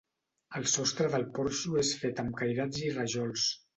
El sostre del porxo és fet amb cairats i rajols.